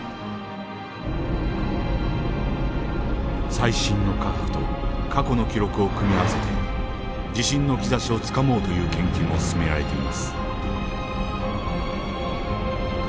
最新の科学と過去の記録を組み合わせて地震の兆しをつかもうという研究も進められています。